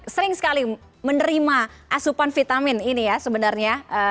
sering sekali menerima asupan vitamin ini ya sebenarnya